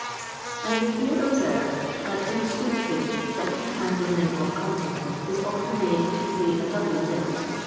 I may here observe that in the street tmde, second hand linen or cotton is often mode to pay a double debt.